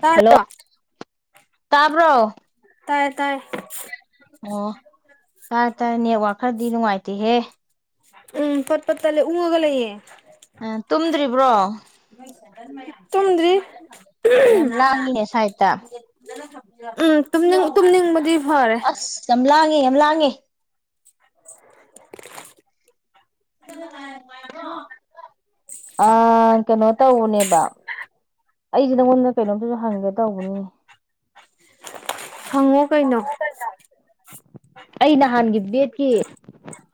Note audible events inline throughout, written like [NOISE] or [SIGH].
ꯇꯗ ꯇꯄ ꯇꯥꯏ ꯇꯥꯏ ꯑꯣ ꯀꯥꯏ ꯇꯥꯏ ꯅ ꯋꯥ ꯈꯔꯗꯤ ꯅꯨꯅꯨꯡꯉꯥꯏꯇ ꯍꯦ ꯎꯝ ꯐꯠꯄꯠꯇ ꯂꯩꯦ ꯎꯨꯒꯂꯌꯦꯦ ꯑ ꯇꯨꯝꯗ꯭ꯔꯤꯕ꯭ꯔꯣ ꯊꯣꯡꯗꯔꯤ ꯅ ꯂꯉꯅꯦ ꯁꯥꯏꯠꯇ ꯎꯝꯅꯤꯡ ꯇꯨꯝꯅꯤꯡꯕꯗꯤ ꯐꯔꯦ ꯑꯁ ꯌꯥꯝ ꯂꯥꯡꯒꯦ ꯌꯥꯝ ꯂꯥꯡ ꯪꯉꯦ ꯑꯥ ꯀꯩꯅꯣ ꯇ ꯎꯅꯦꯕ ꯑꯩꯁꯦ ꯅꯉꯣꯟꯗ ꯀꯩꯅꯣꯝꯇꯁꯨ ꯍꯪꯒꯦ ꯇꯧꯕꯅꯤ ꯍꯪꯉꯣ ꯀꯩꯅꯣ ꯑꯩ ꯅꯍꯥꯟꯒꯤ ꯕꯦꯠꯀꯤ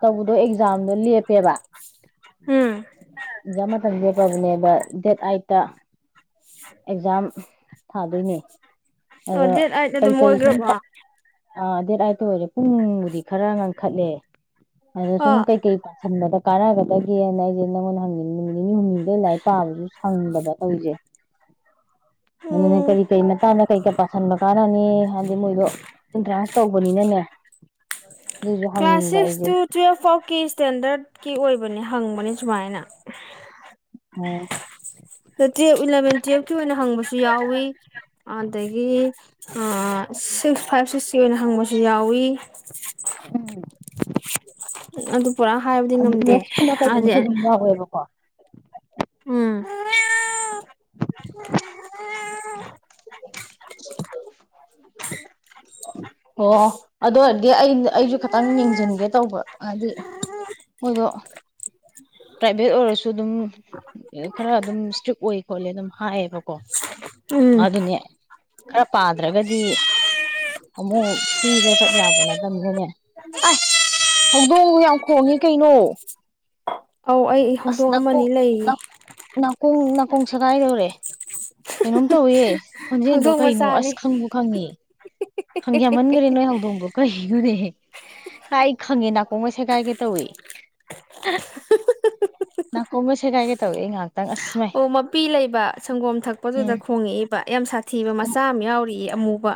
ꯇꯧꯕꯗꯣ ꯑꯦꯛꯖꯥꯝꯗꯣ ꯂꯦꯞꯄꯦꯕ ꯎꯝ ꯑꯦꯛꯖꯥꯝ ꯃꯇꯝ ꯂꯦꯞꯄꯕꯅꯦꯕ ꯗꯦꯠ ꯀꯦꯠꯇ ꯑꯦꯛꯖꯥꯝ ꯊꯥꯗꯣꯏꯅꯦ ꯑꯣ ꯑꯗꯣ ꯗꯦꯠ ꯑꯥꯏꯠ ꯀꯩ ꯑꯗꯨꯝ ꯀꯔꯤ ꯁ ꯑꯣꯏꯒ꯭ꯔꯕꯣ ꯑ ꯗꯦꯠ ꯑꯇ ꯑꯣꯏꯔꯦ ꯄꯨꯡꯕꯨꯗꯤ ꯈꯔ ꯉ ꯈꯠꯅꯦꯦ ꯑꯗꯣ ꯁꯨꯝ ꯑꯣ ꯀꯩꯀꯩ ꯄꯥꯟꯕꯗ ꯀꯥꯟꯅꯒꯗꯒꯦꯅ ꯑꯩꯁꯦ ꯅꯪꯉꯣꯟꯗ ꯍꯪꯉꯤ ꯅꯨꯃꯤꯠ ꯅꯤꯅꯤ ꯍꯨꯝꯅꯤꯗ ꯂꯥꯏꯔꯤꯛ ꯄꯥꯕꯁꯨ ꯁꯪꯗꯕ ꯇꯧꯔꯤꯁꯦ ꯑꯗꯨꯅꯦ ꯎꯝ ꯀꯔꯤ ꯀꯔꯤ ꯃꯇꯥꯡ ꯀꯩꯀꯥ ꯄꯥꯥꯁꯟꯕ ꯀꯥꯟꯅꯅꯤ ꯍꯥꯏꯗꯤ ꯃꯣꯏꯗꯣ ꯑꯦꯟꯇ꯭ꯔꯥꯟꯁ ꯇꯧꯕꯅꯤꯅꯅꯦ ꯑꯗꯨꯏꯁꯨ ꯀ꯭ꯂꯥꯁ ꯍꯪꯅꯤꯡꯕ ꯁꯤꯛꯁ ꯑꯩꯁꯦ ꯇꯨ ꯇ꯭ꯌꯦꯦꯜꯐ ꯐꯥꯎꯀꯤ ꯏꯁꯇꯦꯟꯗꯔꯠ ꯀꯤ ꯑꯣꯏꯕꯅꯦ ꯍꯪꯕꯅꯤ ꯁꯨꯃꯥꯏꯅ ꯑꯣ ꯇꯨꯋ ꯏꯂꯚꯦꯟ ꯇꯨꯋꯦꯜꯐꯀꯤ ꯑꯣꯏꯅ ꯍꯪꯕꯁꯨ ꯌꯥꯎꯋꯤ ꯑꯗꯒꯤ ꯑ ꯁꯤꯛꯁ ꯐꯥꯏꯚ ꯁꯤꯛꯁꯀꯤ ꯑꯣꯏꯅ ꯍꯪꯕꯁꯨ ꯌꯥꯎꯋ ꯎꯝ ꯎ ꯑꯗꯨ ꯄꯨꯔꯥ ꯍꯥꯏꯕꯗꯤ ꯉꯝꯗꯦꯗꯤ ꯃꯦꯠꯁꯀꯨꯝꯕ ꯀꯩꯒꯨꯝꯕꯁꯨ ꯑꯗꯨꯝ ꯌꯥꯎꯋꯦꯕꯀꯣ ꯎꯝ [INAUDIBLE] ꯑꯣ ꯑꯗꯨ ꯑꯣꯏꯔꯗꯤ ꯑꯩ ꯑꯩꯁꯨ ꯈꯤꯇꯪ ꯌꯦꯡꯁꯤꯟꯒꯦ ꯇꯧꯕ ꯍꯥꯏꯗꯤ ꯃꯗꯣ ꯄ꯭ꯔꯥꯏꯚꯦꯠ ꯑꯣꯏꯔꯁꯨ ꯑꯗꯨꯝ ꯈꯔ ꯑꯗꯨꯝ ꯏꯁꯇ꯭ꯔꯤꯛ ꯑꯣꯏ ꯈꯣꯠꯂꯦ ꯑꯗꯨꯝ ꯍꯥꯏꯌꯦꯕꯀꯣ ꯎꯝ ꯑꯗꯨꯅꯦ ꯈꯔ ꯄꯥꯗ꯭ꯔꯒꯗꯤ ꯑꯃꯨꯛ ꯐ꯭ꯔꯤꯗ ꯆꯠ ꯌꯥꯕ ꯅꯠꯇꯕꯅꯅꯦ ꯑ ꯍꯧꯗꯣꯡ ꯌꯥꯝ ꯈꯣꯡꯉꯦ ꯀꯩꯅꯣ ꯑꯧ ꯑꯩ ꯍꯧꯗꯣꯡ ꯑꯃꯅꯤ ꯂꯩꯔꯤ ꯀꯣꯡ ꯅꯥꯀꯣꯡ ꯁꯒꯥꯏꯗꯧꯔꯦ ꯀꯩꯅꯣꯝ ꯇꯧꯋꯌꯦꯦ ꯈꯣꯟꯖꯦꯜꯗꯣ ꯍꯧꯗꯣꯡ ꯀꯩꯅꯣ ꯃꯆꯥꯅꯤ ꯑꯁ ꯈꯪꯕꯨ ꯈꯪꯉꯦ ꯈꯪꯒꯦ ꯌꯥꯝꯃꯟꯈꯔꯦ ꯅꯣꯏ ꯍꯧꯗꯣꯡꯗꯣ ꯀꯩꯅꯣꯅꯦ ꯀꯥꯏ ꯈꯪꯉꯦ ꯅꯥꯀꯣꯡꯒ ꯁꯦ ꯀꯥꯏꯒ ꯇꯋꯦ ꯅꯅꯥ ꯀꯣꯃꯦꯁꯦꯒꯦ ꯇꯧ ꯏꯉ ꯑꯣ ꯃꯄꯤ ꯂꯩꯕ ꯁꯪꯒꯣꯝ ꯊꯛꯄꯗꯨꯗ ꯎꯝ ꯈꯣꯡꯉꯛꯏꯕ ꯌꯥꯝ ꯁꯥꯊꯤꯕ ꯃꯆꯥ ꯑꯃ ꯌꯥꯎꯔꯤꯌꯦ ꯑꯃꯨꯕ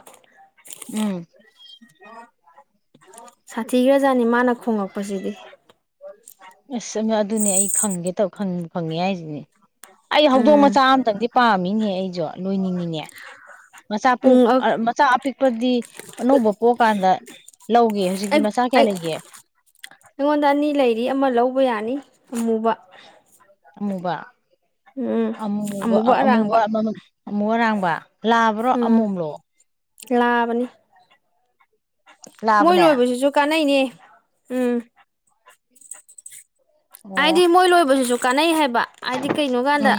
ꯎꯝ ꯁꯥꯊꯤꯒ꯭ꯔꯖꯥꯅꯤ ꯃꯥꯅ ꯈꯣꯡꯂꯛꯄꯁꯤꯗꯤ ꯑꯁ ꯑꯗꯨꯅꯦ ꯑꯩ ꯈꯪꯒꯦ ꯇ ꯐꯪꯉꯦ ꯍꯥꯏꯁꯤꯅꯦ ꯑꯩ ꯍꯧꯗꯣꯡ ꯎꯝ ꯃꯆꯥ ꯑꯃꯇꯪꯗꯤ ꯄꯥꯝꯃꯤꯅꯦ ꯑꯩꯖꯣ ꯂꯣꯏꯅꯤꯡꯉꯅꯦ ꯃꯆꯥ ꯄꯣꯛ ꯎꯝ ꯑꯩ ꯃꯆꯥ ꯄꯤꯛꯄꯗꯤ ꯑꯅ ꯄꯣꯀꯥꯟꯗ ꯑꯩꯉꯣꯟꯗ ꯑꯅꯤ ꯂꯩꯔꯤ ꯑꯃ ꯂꯧ ꯑꯃꯕ ꯌꯥꯅꯤ ꯑꯃꯨꯕ ꯑꯃꯨꯕ ꯎꯝ ꯑꯃꯨꯕ ꯑꯃꯨꯕ ꯑꯃꯨ ꯑꯔꯥꯡꯕ ꯂꯥꯕ꯭ꯔꯣ ꯎꯝ ꯑꯃꯣꯝꯂꯣ ꯂꯥꯕꯅꯤ ꯃꯣꯏ ꯂꯥꯕꯅꯦ ꯂꯣꯏꯕꯁꯤꯁꯨ ꯀꯥꯟꯅꯩꯅꯦ ꯎꯝ ꯑꯣ ꯑꯥꯏꯗꯤ ꯃꯣꯏ ꯂꯣꯏ ꯁꯤꯁꯨ ꯀꯅꯥꯩ ꯍꯥꯏꯦ ꯍꯥꯏꯗꯤ ꯀꯩꯅꯣ ꯀꯥꯟꯗ ꯎꯝ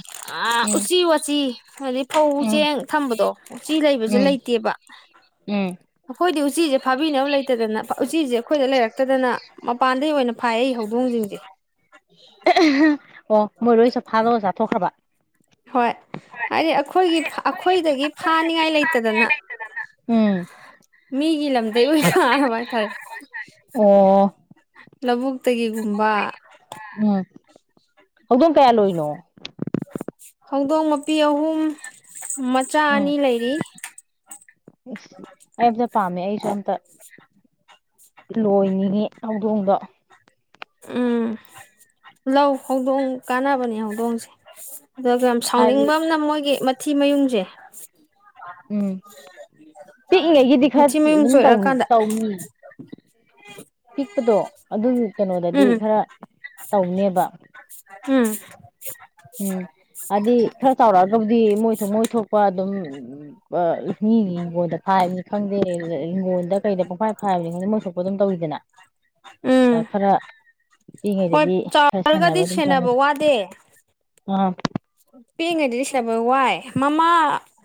ꯎꯝ ꯎꯆꯤ ꯋꯥ ꯎꯆꯤ ꯍꯥꯏꯗꯤ ꯐꯧ ꯎꯝ ꯆꯦꯡ ꯊꯝꯕꯗꯣ ꯎꯆꯤ ꯂꯩꯕꯁꯦ ꯎꯝ ꯂꯩꯇꯦꯕ ꯎꯝ ꯑꯩꯈꯣꯏꯗꯤ ꯎꯆꯤꯁꯦ ꯐꯥꯕꯤꯅꯕ ꯂꯩꯇꯗꯅ ꯎꯆꯤꯁꯦ ꯑꯩꯈꯣꯏꯗ ꯂꯩꯔꯛꯇꯗꯅ ꯃꯄꯥꯟꯗꯩ ꯑꯣꯏꯅ ꯐꯥꯏ ꯑꯩ ꯍꯧꯗꯣꯡꯖꯤꯡꯖꯦ ꯑꯥꯍꯥ ꯍꯝ ꯑꯣ ꯃꯣꯏꯔꯣꯏꯁ ꯐꯥꯗꯣꯒ ꯆꯥꯊꯣꯛꯈ꯭ꯔꯕ ꯍꯣꯏ ꯍꯥꯏꯗꯤ ꯑꯩꯈꯣꯏꯒꯤ ꯑꯩꯈꯣꯏꯗꯒꯤ ꯐꯥꯅꯤꯡꯉꯥꯏ ꯂꯩꯇꯗꯅ ꯎꯝ ꯃꯤꯒꯤ ꯂꯝꯗ ꯑꯣꯏ ꯐꯔꯕ ꯍꯥꯏꯇꯥꯔꯦ ꯑꯣ ꯂꯕꯨꯛ ꯇꯒꯤꯒꯨꯝꯕ ꯎꯝ ꯍꯧꯗꯣꯡ ꯀꯌꯥ ꯂꯣꯏꯅꯣ ꯍꯧꯗꯣꯡ ꯃꯄꯤ ꯑꯍꯨꯝ ꯃꯆꯥ ꯑꯅꯤ ꯂꯩꯔꯤ ꯗ [INAUDIBLE] ꯄꯥꯝꯃꯦ ꯑꯩꯖꯨ ꯑꯝꯇ ꯂꯣꯏꯅꯤꯡꯉꯤ ꯍꯧꯗꯣꯡꯗꯣ ꯎꯝ ꯂꯧ꯫ ꯍꯧꯗꯣꯡ ꯀꯥꯟꯅꯕꯅꯤ ꯍꯧꯗꯣꯡꯁꯦ ꯑꯗꯨꯒ ꯌꯥꯝ ꯍꯥꯏꯗꯤ ꯁꯥꯎꯅꯤꯡꯕ ꯑꯃꯅ ꯃꯣꯏꯒꯤ ꯃꯠ ꯊꯤ ꯃꯌꯨꯡꯖꯦ ꯎꯝ ꯄꯤꯛꯏꯉꯩꯒꯤꯗꯤ ꯈꯔ ꯃꯊꯤ ꯃꯌꯨꯡ ꯑꯗꯨꯝ ꯇꯧ ꯆꯣꯏꯔꯛꯑꯀꯥꯟꯗ ꯇꯧꯅꯤ꯫ ꯄꯤꯛꯄꯗꯣ ꯑꯗꯨ ꯀꯩꯅꯣꯗꯗꯤ ꯎꯝ ꯈꯔ ꯇꯧꯅꯦꯕ ꯎꯝ ꯎꯝ ꯍꯥꯏꯗꯤ ꯈꯔ ꯆꯥꯎꯔꯛꯑꯒꯕꯨꯗꯤ ꯃꯣꯏ ꯃꯣꯏ ꯊꯣꯛꯄ ꯑꯗꯨꯝ ꯃꯤꯒꯤ ꯍꯤꯡꯒꯣꯟꯜꯗ ꯐꯥꯏꯕꯅꯤ ꯈꯪꯗꯦ ꯍꯤꯡꯒꯣꯜꯗ ꯀꯩꯗ ꯄꯪꯈꯥꯏ ꯐꯥ ꯍꯥꯏꯕꯅꯤ ꯈꯪꯗꯦ ꯃꯣꯏꯊꯣꯛꯄ ꯑꯗꯨꯝ ꯇꯧꯋꯤꯗꯅ ꯎꯝ ꯈꯔ ꯍꯣꯏ ꯄꯤꯛꯏꯉꯩꯗꯗꯤ ꯈꯔ ꯁꯦꯟꯅꯕ ꯆꯥꯎꯔꯒꯗꯤ ꯑꯗꯨꯝ ꯆꯪꯉꯤ ꯋꯥꯗꯦ ꯄꯤꯛꯏꯉꯩꯗꯗꯤ ꯁꯦꯟ ꯕ ꯋꯥꯏ ꯃꯃꯥ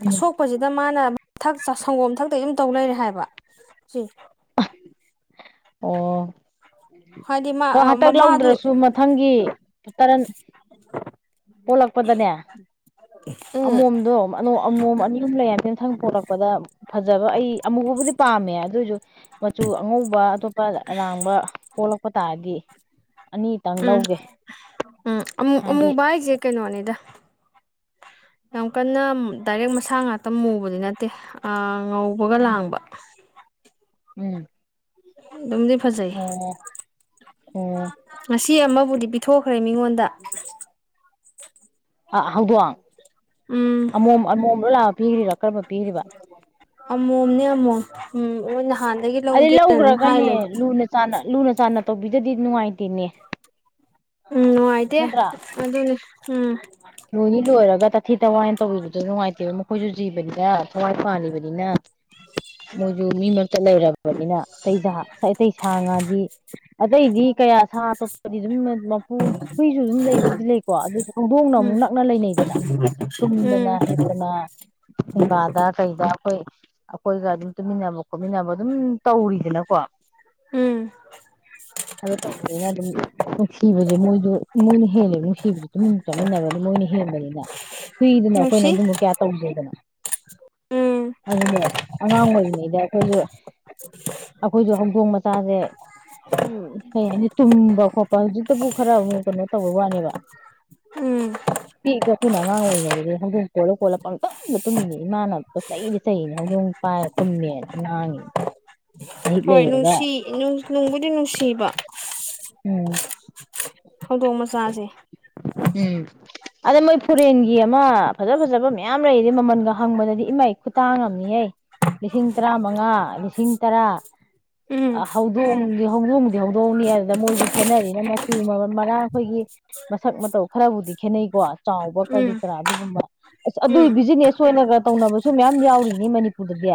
ꯎꯝ ꯑꯁꯣꯛꯄꯖꯤꯗ ꯃꯥꯅ ꯊꯛ ꯁꯥ ꯁꯪꯒꯣꯝ ꯊꯛꯇꯒꯤ ꯃꯨ ꯇꯧ ꯂꯩꯔꯦ ꯍꯥꯏꯕ ꯁꯤ ꯑꯣ ꯍꯥꯏꯗꯤ ꯍꯣ ꯃꯥ ꯍꯟꯇꯛ ꯃꯃꯥꯗꯨ ꯂꯧꯗ꯭ꯔꯁꯨ ꯃꯊꯪꯒꯤ ꯇꯔꯟ ꯄꯣꯛꯂꯛꯄꯗꯅꯦ ꯎꯝ ꯑꯃꯣꯝꯗꯣ ꯃ ꯅꯨ ꯑꯥ ꯑꯃꯣꯝ ꯑꯅꯤ ꯑꯍꯨꯝ ꯂꯩꯔꯗ ꯃꯊꯪ ꯄꯂꯛꯄꯗ ꯐꯖꯕ ꯑꯩ ꯑꯃꯨꯕꯕꯨꯗꯤ ꯄꯥꯝꯃꯦ ꯑꯗꯨꯑꯣꯏꯖꯨ ꯃꯆꯨ ꯑꯉꯧꯕ ꯑꯇꯣꯞꯄ ꯑꯔꯥꯡꯕ ꯄꯣꯛꯂꯛꯄ ꯇꯥꯔꯗꯤ ꯑꯅꯤꯇꯪ ꯎꯝ ꯂꯧꯒꯦ ꯎꯝ ꯑꯃꯨ ꯍꯥꯏꯗꯤ ꯑꯃꯨꯕ ꯍꯥꯏꯖꯦ ꯀꯩꯅꯣꯅꯤꯗ ꯌꯥꯝ ꯀꯟꯅ ꯗꯥꯏꯔꯦꯛ ꯃꯁꯥ ꯉꯥꯛꯇ ꯃꯨꯕꯗꯤ ꯅꯠꯇꯦ ꯑꯥ ꯉꯧꯕꯒ ꯂꯥꯡꯕ ꯎꯝ ꯑꯗꯨꯝꯗꯤ ꯐꯖꯩ ꯑꯣ ꯑꯣ ꯉꯁꯤ ꯑꯃꯕꯨꯗꯤ ꯄꯤꯊꯣꯛꯈ꯭ꯔꯦ ꯃꯤꯉꯣꯟꯗ ꯑ ꯍꯧꯗꯣꯡ ꯎꯝ ꯑꯃꯣꯝ ꯑꯃꯣꯝꯗ ꯂꯥꯛꯑ ꯄꯤꯈ꯭ꯔꯤꯕꯔꯥ ꯀꯔꯝꯕ ꯄꯤꯈ꯭ꯔꯤꯕ ꯑꯃꯃꯣꯝꯅꯤ ꯑꯃꯃꯣ ꯎꯝ ꯑꯣ ꯑꯗꯩ ꯂꯧꯈ꯭ꯔꯒꯅꯦ ꯂꯨꯅ ꯆꯥꯟꯅ ꯂꯨꯅ ꯆꯥꯟꯅ ꯇꯧꯕꯤꯗꯗꯤ ꯅꯨꯡꯉꯥꯏꯇꯦꯅꯦ ꯎꯝ ꯅꯨꯡꯉꯥꯏꯇꯦ ꯅꯠꯇ꯭ꯔꯥ ꯑꯗꯨꯅꯤ ꯎꯝ ꯂꯣꯏꯅꯤ ꯂꯣꯏ ꯑꯣꯏꯔꯒ ꯇꯊꯤ ꯇꯋꯥꯅ ꯇꯧꯕꯤꯕꯗ ꯅꯨꯡꯉꯥꯏꯇꯦꯕ ꯃꯈꯣꯏꯁꯨ ꯖꯤꯕꯅꯤꯅ ꯊꯋꯥꯏ ꯄꯥꯟꯕꯥꯜꯂꯤꯕꯅꯤꯅ ꯃꯣꯏꯁꯨ ꯃꯤ ꯃꯔꯛꯇ ꯂꯩꯔꯕꯅꯤꯅ ꯑꯇꯩ ꯑꯇꯩ ꯁꯥ ꯉꯥꯗꯤ ꯑꯇꯩꯗꯤ ꯀꯌꯥ ꯁꯥ ꯑꯇꯣꯞꯄꯗꯤ ꯑꯗꯨꯝ ꯃꯄꯨ ꯍꯨꯏꯁꯨ ꯑꯗꯨꯝ ꯂꯩꯕꯕꯨꯗꯤ ꯂꯩꯀꯣ ꯑꯗꯨꯗꯤ ꯈꯣꯡꯗꯣꯡꯅꯕ ꯎꯝ ꯅꯛꯅ ꯂꯩꯅꯩꯗꯅ ꯆꯟꯗꯅ ꯎꯝ ꯍꯤꯛꯇꯅ ꯍꯨꯡꯒꯥꯗ ꯀꯩꯗ ꯑꯩꯈꯣꯏ ꯑꯩꯈꯣꯏꯒ ꯑꯗꯨꯝ ꯇꯨꯃꯤꯟꯅꯕ ꯈꯣꯠꯃꯤꯟꯅꯕ ꯑꯗꯨꯝ ꯇꯧꯔꯤꯗꯅꯀꯣ ꯎꯝ ꯑꯗꯨ ꯇꯧꯕꯅꯤꯩꯅ ꯑꯗꯨꯝ ꯅꯨꯡꯁꯤꯕꯁꯦ ꯃꯣꯏꯁꯨ ꯃꯣꯏꯅ ꯍꯦꯜꯂꯦ ꯅꯨꯡꯁꯤꯕꯁꯦ ꯇꯨꯃꯤꯟꯅ ꯆꯥꯃꯤꯟꯅꯕ ꯄꯨꯨ ꯂꯩꯅ ꯍꯨꯏꯗꯅ ꯑꯩꯈꯣꯏꯅ ꯅꯨꯡꯁꯤ ꯑꯗꯨꯝꯕꯨ ꯀꯌꯥ ꯇꯧꯗꯦꯗꯅꯣ ꯎꯝ ꯑꯗꯨꯅꯦ ꯑꯉꯥꯡ ꯑꯣꯏꯔꯤꯉꯩ ꯌꯥꯈꯣꯁꯨ [INAUDIBLE] ꯑꯩꯈꯣꯏꯁꯨ ꯍꯧꯗꯣꯡ ꯃꯆꯥꯁꯦ ꯎ ꯀꯩ ꯍꯥꯏꯅꯤ ꯇꯨꯝꯕ ꯈꯣꯠꯄ ꯍꯧꯖꯤꯛꯇꯕꯨ ꯈꯔ ꯑꯃꯨꯛ ꯀꯩꯅꯣ ꯇꯧꯕ ꯋꯥꯅꯦꯕ ꯎꯝ ꯄꯤꯛꯄ ꯑꯩꯈꯣꯏꯅ ꯑꯉꯥꯡ ꯑꯣꯏꯔꯤꯉꯩꯗꯗꯤ ꯍꯧꯗꯣꯡ ꯀꯣꯠꯂ ꯈꯣꯠꯂ ꯄꯪꯇꯝꯗ ꯇꯨꯝꯃꯤꯅꯦ ꯏꯃꯥꯅ ꯄꯣ ꯆꯩꯗꯤ ꯆꯩꯅꯦ ꯍꯧꯗꯣꯡ ꯄꯥꯏꯔ ꯇꯨꯝꯃꯦꯅ ꯉꯥꯡꯉꯤ ꯍꯣꯏ ꯅꯨꯡꯁꯤ ꯅꯨꯡꯕꯨꯗꯤ ꯅꯨꯡꯁꯤꯕ ꯎꯝ ꯍꯧꯗꯣꯡ ꯃꯆꯥꯁꯦ ꯎꯝ ꯑꯗ ꯃꯣꯏ ꯐꯣꯔꯦꯟꯒꯤ ꯑꯃ ꯐꯖ ꯐꯖꯕ ꯃꯌꯥꯝ ꯂꯩꯔꯤꯗꯤ ꯃꯃꯜꯒ ꯍꯪꯕꯗꯗꯤ ꯏꯃꯩ ꯈꯨꯇꯥꯡ ꯑꯃꯅꯤꯝꯅꯤꯍ ꯂꯤꯁꯤꯡ ꯇꯔꯥ ꯃꯉꯥ ꯂꯤꯁꯤꯡ ꯇꯔꯥ ꯎꯝ ꯍꯧꯗꯣꯡꯗꯤ ꯍꯧꯗꯣꯡꯗꯤ ꯍꯧꯗꯣꯡꯅꯤ ꯑꯗꯨꯗ ꯃꯣꯏꯁꯨ ꯈꯦꯠꯅꯔꯤꯅ ꯃꯆꯨ ꯃꯔ ꯃꯔꯥꯡ ꯑꯩꯈꯣꯏꯒꯤ ꯃꯁꯛ ꯃꯇꯧ ꯈꯔꯕꯨꯗꯤ ꯈꯦꯠꯅꯩꯀꯣ ꯆꯥꯎꯕ ꯀꯔꯤ ꯎꯝ ꯀꯔꯥ ꯑꯗꯨꯒꯨꯝꯕ ꯑꯁ ꯑꯗꯨꯒꯤ ꯎꯝ ꯕꯤꯖꯤꯅꯦꯁ ꯑꯣꯏꯅꯒ ꯇꯧꯅꯕꯁꯨ ꯃꯌꯥꯝ ꯌꯥꯎꯔꯤꯅꯤ ꯃꯅꯤꯄꯨꯔꯗꯗꯤ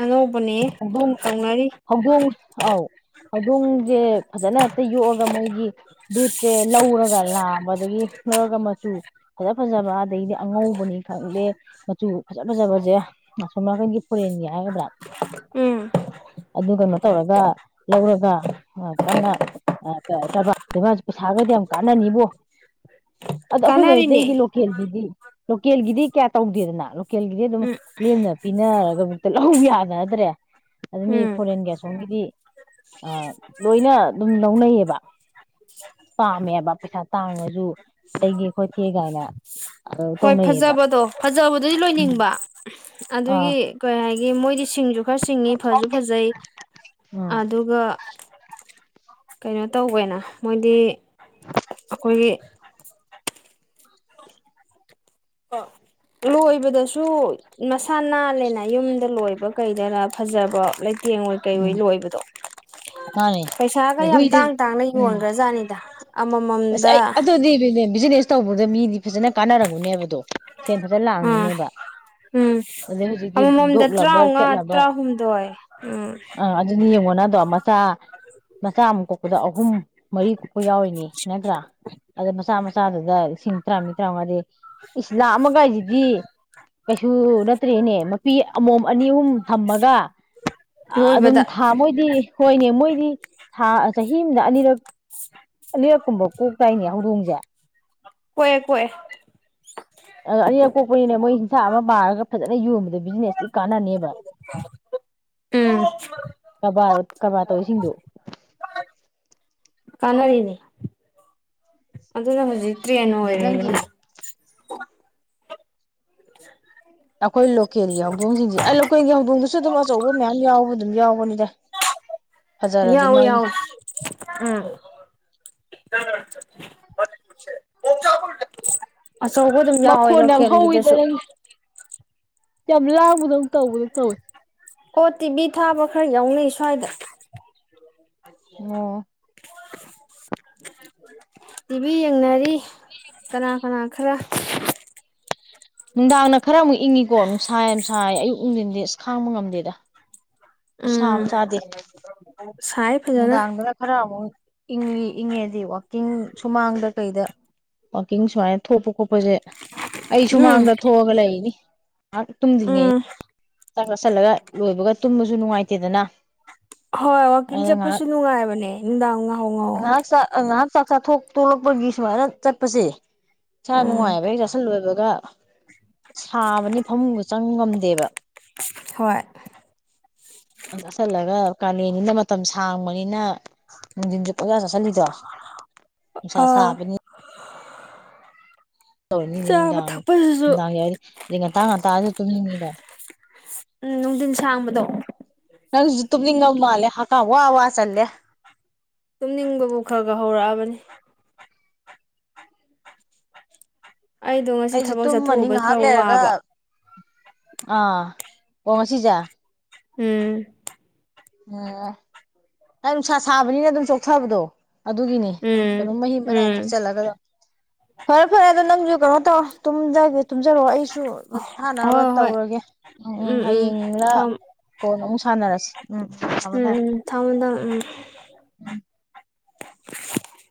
ꯑꯅꯧꯕꯅꯦ ꯍꯧꯗꯣꯡ ꯍꯧꯗꯣꯡ ꯑꯥꯎ ꯍꯧꯗꯣꯡꯁꯦ ꯐꯖꯅ ꯍꯦꯛꯇ ꯌꯣꯛꯑꯒ ꯃꯣꯏꯒꯤ ꯕ꯭ꯔꯤꯠꯁꯦ ꯂꯧꯔꯒ ꯂꯥꯕꯗꯒꯤ ꯂꯧꯔꯒ ꯃꯆꯨ ꯐꯖ ꯐꯖꯕ ꯑꯗꯗꯒꯤꯗꯤ ꯑꯉꯧꯕꯅꯤ ꯈꯪꯗꯦ ꯃꯆꯨ ꯐꯖ ꯐꯖꯕꯁꯦ ꯑꯁꯣꯝ ꯅꯥꯀꯟꯒꯤ ꯐꯣꯔꯦꯟꯒꯤ ꯍꯥꯏꯒꯗ꯭ꯔꯥ ꯎꯝ ꯑꯗꯨ ꯀꯩꯅꯣ ꯇꯧꯔꯒ ꯂꯧꯔꯒ ꯀꯟꯅ ꯀꯔꯕꯥꯔ ꯄꯩꯁꯥꯒꯗꯤ ꯌꯥꯝ ꯀꯥꯟꯅꯅꯤꯕꯣ ꯑꯗꯣ ꯑꯩꯈꯣꯏ ꯃꯩꯇꯩꯒꯤ ꯀꯥꯟꯅꯔꯤꯅꯦ ꯂꯣꯀꯦꯜꯒꯤꯗꯤ ꯂꯣꯀꯦꯜꯒꯤꯗꯤ ꯀꯌꯥ ꯇꯧꯗꯦꯗꯅ ꯂꯣꯀꯦꯜꯒꯤꯗꯤ ꯑꯗꯨꯝ ꯎꯝ ꯂꯦꯝꯅ ꯄꯤꯅꯔꯒ ꯃꯨꯛꯇ ꯂꯧ ꯌꯥꯅꯗ꯭ꯔꯦ ꯑꯗꯨ ꯃꯤ ꯎꯝ ꯐꯣꯔꯦꯟꯒꯁꯣꯝꯒꯤꯗꯤ ꯂꯣꯏꯅ ꯑꯗꯨꯝ ꯂꯧꯅꯩꯌꯦꯕ ꯄꯥꯝꯃꯦꯕ ꯄꯩꯁꯥ ꯇꯥꯡꯔꯉꯁꯨ ꯇꯩꯒꯦ ꯈꯣꯠꯀꯦ ꯀꯥꯏꯅ ꯍꯣꯏ ꯇꯧꯅꯩꯌꯦꯕ ꯐꯖꯕꯗꯣ ꯐꯖꯕꯗꯨꯗꯤ ꯎꯝ ꯂꯣꯏꯅꯤꯡꯕ ꯑꯥ ꯑꯗꯨꯒꯤ ꯀꯣꯏ ꯦ ꯃꯣꯏ ꯁꯤꯡꯁꯨ ꯈꯔ ꯁꯤꯡꯉꯤ ꯐꯁꯨ ꯐꯖꯩ ꯎꯝ ꯑꯗꯨꯒ ꯀꯩꯅꯣ ꯇꯧꯕꯅ ꯃꯣꯏꯗꯤ ꯑꯩꯈꯣꯏꯒꯤ ꯂꯣꯏꯕꯗꯁꯨ ꯃꯁꯥꯅ ꯂꯩꯅ ꯌꯨꯝꯗ ꯂꯣꯏꯕ ꯀꯩꯗꯔ ꯐꯖꯕ ꯂꯩꯇ ꯌꯦꯦꯡꯉꯣꯏ ꯀꯩꯑꯣꯣꯏ ꯎꯝ ꯂꯣꯏꯕꯗꯣ ꯃꯥꯅꯦ ꯄꯩꯁꯥꯒ ꯌꯥꯝ ꯍꯨꯏꯗ ꯇꯥꯡ ꯇꯥꯡꯅ ꯎꯝ ꯌꯣꯟꯈ꯭ꯔꯖꯥꯠꯅꯤꯗ ꯑꯁ ꯑꯃꯃꯝꯗ ꯑꯗꯨꯗꯤꯅꯦꯖꯤ ꯇꯧꯕꯗ ꯃꯤꯗꯤ ꯐꯖꯅ ꯀꯥꯟꯅꯔꯝꯒꯨꯅꯦꯕꯗꯣ ꯁꯦꯟ ꯐꯖꯅ ꯑꯥ ꯂꯥꯛꯒꯨꯅꯦꯕ ꯎꯝ ꯑꯗꯩ ꯍꯧꯖꯤꯛꯇꯤ ꯑꯃꯃꯝꯗ ꯗꯣꯛꯂꯕ ꯇꯔꯥꯃꯉꯥ ꯈꯦꯠꯂꯕ ꯇꯔꯥꯍꯨꯝꯗꯣꯏ ꯎꯝ ꯑꯥ ꯑꯗꯨꯅꯤ ꯌꯦꯡꯉꯣꯅꯗꯣ ꯃꯆꯥ ꯃꯆꯥ ꯑꯃꯨꯛ ꯀꯣꯛꯄꯗ ꯑꯍꯨꯝ ꯃꯔꯤ ꯀꯨꯄ ꯌꯥꯎꯔꯤꯅꯤ ꯅꯠꯇ꯭ꯔꯥ ꯑꯗ ꯃꯆꯥ ꯃꯆꯥꯗꯨꯗ ꯂꯤꯁꯤꯡ ꯇꯔꯥꯅꯤ ꯇꯔꯥꯃꯉꯥꯗꯤ ꯏꯁ ꯂꯥꯛꯑꯃꯒꯁꯤꯗꯤ ꯀꯩꯁꯨ ꯅꯠꯇ꯭ꯔꯦꯅꯦ ꯃꯄꯤ ꯑꯃꯃꯝ ꯑꯅꯤ ꯑꯍꯨꯝ ꯊꯝꯃꯒ ꯂꯣꯏꯕꯗ ꯑꯗꯨꯝ ꯊꯥ ꯃꯣꯏꯗꯤ ꯍꯣꯏꯅꯦ ꯃꯣꯏꯗꯤ ꯍꯥꯥ ꯆꯍꯤꯅ ꯑꯅꯤꯔꯛ ꯑꯅꯤꯔꯛ ꯀꯣꯛꯇꯅꯦ ꯍꯧꯗꯣꯡꯁꯦ ꯀꯣꯛꯑꯦ ꯀꯣꯛꯑꯦ ꯑꯅꯤꯔ ꯑ ꯀꯣꯛꯄꯅꯤꯅ ꯃꯣꯏ ꯍꯤꯡꯁꯥ ꯑꯃ ꯄꯥꯔꯒ ꯐꯖꯅ ꯌꯣꯟꯕꯗ ꯕꯤꯖꯤꯅꯦꯁꯇꯤ ꯀꯥꯟꯅꯅꯦꯕ ꯎꯝ ꯀꯔꯕꯥꯔ ꯀꯔꯕꯥꯔ ꯇꯧꯔꯤꯁꯤꯡꯗꯨꯣ ꯀꯟꯅꯔꯤꯅꯤ ꯑꯗꯨꯖꯤꯅ ꯍꯧꯖꯤ ꯆꯔꯤꯦꯅ ꯑꯗ ꯑꯣꯏꯔ ꯅꯪꯒꯤ [INAUDIBLE] ꯑꯩꯈꯣꯏ ꯂꯣꯀꯦꯜꯒꯤ ꯍꯧꯗꯣꯡꯁꯤꯡꯁꯦ ꯂꯣꯀꯦꯜꯒꯤ ꯍꯧꯗꯣꯡꯗꯨꯁꯨ ꯑꯗꯨꯝ ꯑꯆꯧꯕ ꯃꯌꯥꯝ ꯌꯥꯎꯕ ꯌꯥꯎꯕꯅꯤꯗ ꯐꯖꯔꯗꯤ ꯌꯥꯎ ꯃꯥꯒꯤ ꯌꯥꯎ ꯎꯝ ꯆ ꯆ ꯄ ꯆ ꯑꯆꯧꯕ ꯑꯗꯨꯝ ꯌꯥꯎꯋꯦ ꯃꯈꯣꯟ ꯌꯥꯝ ꯍꯧꯋꯤꯗ ꯂꯣꯀꯦꯜꯒꯤꯗꯁꯨ ꯅꯪ ꯌꯥꯝ ꯂꯥꯡꯕꯗ ꯑꯃꯨꯛ ꯇꯧꯕꯗꯣ ꯇꯧꯁꯤ ꯑꯣ ꯇꯤꯕꯤ ꯊꯥꯕ ꯈꯔ ꯌꯥꯎꯅꯩ ꯁ꯭ꯋꯥꯏꯗ ꯑꯣ ꯇꯤꯚꯤ ꯌꯦꯡꯅꯔꯤ ꯀꯅꯥ ꯀꯅꯥ ꯈꯔ ꯅꯨꯡꯁꯥꯏ ꯑꯌꯨꯛ ꯅꯨꯡꯊꯤꯟꯗꯤ ꯑꯁ ꯈꯥꯡꯕ ꯉꯝꯗꯦꯗ ꯁꯝ ꯎꯝ ꯆꯗꯦ ꯁꯥꯏ ꯐꯖꯅ ꯅꯨꯡꯗꯥꯡꯗꯅ ꯈꯔ ꯑꯃꯨꯛ ꯏꯪꯂꯤ ꯏꯪꯉꯦꯗꯤ ꯋꯥꯋꯥꯛꯀꯤꯡ ꯁꯨꯃꯥꯡꯗ ꯀꯩꯗ ꯋꯥꯋꯥꯛꯀꯤꯡ ꯁꯨꯃꯥꯏꯅ ꯊꯣꯛꯄ ꯈꯣꯠꯄꯁꯦ ꯑꯩ ꯎꯝ ꯁꯨꯃꯥꯡꯗ ꯊꯣꯛꯑꯒ ꯂꯩꯅꯤ ꯉꯥꯛ ꯇꯨꯝꯗꯉꯦ ꯎꯝ ꯇꯨꯝꯕꯁꯨ ꯅꯨꯡꯉꯥꯏꯇꯦꯗꯅ ꯍꯣꯏ ꯋꯥꯋꯥꯛꯀꯤꯡ ꯑꯗꯨꯅ ꯉꯥꯏꯍꯥꯛ ꯆꯠꯄꯁꯨ ꯅꯨꯡꯉꯥꯏꯕꯅꯦ ꯅꯨꯡꯗꯥꯡ ꯉꯥꯏꯍꯥꯎ ꯉꯥꯍꯧ ꯉꯥꯏꯍꯥꯛ ꯆꯥꯛ ꯉꯥꯏꯍꯥꯛ ꯆꯥꯛ ꯆꯥꯊꯣꯛ ꯇꯣꯂꯛꯄꯒꯤ ꯁꯨꯃꯥꯏꯅ ꯆꯠꯄꯁꯦ ꯆꯥ ꯎꯝ ꯅꯨꯡꯉꯥꯏꯦꯕ ꯆꯁꯂꯣꯏꯕ ꯑꯗꯨꯒ ꯁꯥꯕꯅꯤ ꯐꯃꯨꯡꯗꯨ ꯆꯪ ꯉꯝꯗꯦꯕ ꯍꯣꯏ ꯆꯁꯂꯒ ꯀꯥꯂꯦꯟꯅꯤꯅ ꯃꯇꯝ ꯁꯥꯡꯕꯅꯤꯅ ꯅꯨꯡꯊꯤꯟ ꯑꯣꯖꯥ ꯆꯥꯁꯤꯜꯂꯤꯗꯣ ꯅꯨꯡꯁꯥ ꯑꯥ ꯁꯥꯕꯅꯤ [INAUDIBLE] ꯅꯤ ꯆꯥꯕ ꯅꯨꯡꯗꯥꯡ ꯊꯛꯄꯁꯤꯁꯨ ꯅꯨꯡꯗꯥꯡꯗꯤ ꯉꯇꯥꯥꯡ ꯉꯇꯥꯁꯨ ꯇꯨꯝꯅꯤꯡꯉ [INAUDIBLE] ꯎꯝ ꯅꯨꯡꯊꯤꯟ ꯁꯥꯡꯕꯗꯣ ꯅꯪꯁꯨ ꯇꯨꯝꯅꯤꯡ ꯉ ꯃꯥꯜꯂꯦ ꯍꯥꯀꯥ ꯋꯥ ꯋꯥ ꯆꯜꯂꯦ ꯇꯨꯝꯅꯤꯡꯕꯕꯨ ꯈꯔ ꯈꯔ ꯍꯧꯔꯛꯑꯕꯅꯤ ꯑꯩꯗꯣ ꯉꯁꯤ ꯊꯕꯛ ꯆꯠꯊꯣꯛꯎꯕ ꯈꯔ ꯋꯥꯕ ꯑ ꯀꯃꯁꯤꯖ ꯎꯝ ꯑꯣ ꯑꯩ ꯅꯨꯡꯁꯥ ꯁꯥꯕꯅꯤꯅ ꯑꯗꯨꯝ ꯆꯣꯛꯊꯕꯗꯣ ꯑꯗꯨꯒꯤꯅꯤ ꯎꯝ ꯀꯩꯅꯣ ꯃꯍꯤ ꯃꯅꯥꯏ ꯑꯇꯛ ꯎꯝ ꯆꯜꯂꯒꯗ ꯐꯔꯦ ꯐꯔꯦ ꯑꯗꯣ ꯅꯪꯁꯨ ꯀꯩꯅꯣ ꯇꯒꯦ ꯇꯨꯝꯖꯔꯛꯑꯣ ꯑꯩꯁꯨ ꯁ ꯊꯥꯅꯕ ꯍꯣꯏ ꯍꯣꯏ ꯇꯧꯔꯒꯦ ꯎꯝ ꯎꯝ ꯍꯌꯦꯡꯡꯂ ꯀꯣꯟ ꯑꯃꯨꯛ ꯁꯥꯟꯅꯔꯁꯤꯦ ꯎꯝ ꯊꯗ ꯊꯥꯡꯕꯟꯗ ꯎꯝ ꯎꯝ [INAUDIBLE]